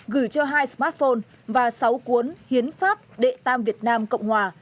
gửi cho hai smartphone và sáu cuốn hiến pháp đệ tam việt nam cộng hòa